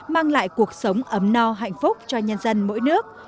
mang lại cuộc sống ấm no hạnh phúc cho nhân dân mỗi nước